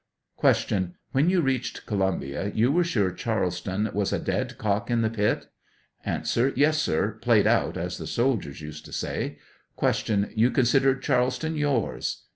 Q. When you reached Columbia,: you were sure Charleston was a dead cock in the pit ?. A. Yes, sir; "played out," as the soldiers used to say. Q. You considered Charleston yours ? A.